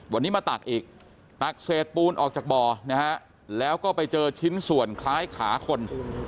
วันนี้มาตักอีกตักเศษปูนออกจากบ่อนะฮะแล้วก็ไปเจอชิ้นส่วนคล้ายขาคน